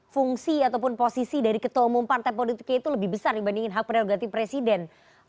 fungsi ataupun posisi dari ketua umum partai politiknya itu lebih besar dibandingkan hak prerogatif presiden